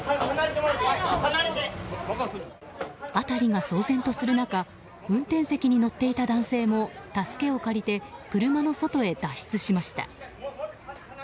辺りが騒然とする中運転席に乗っていた男性も助けを借りて車の外へ脱出しました。